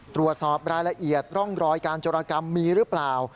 ตรวจสอบรายละเอียดร่องรอยการจรกรรมมีหรือเปล่า